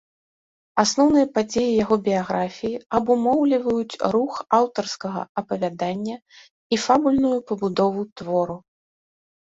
Асноўныя падзеі яго біяграфіі абумоўліваюць рух аўтарскага апавядання і фабульную пабудову твору.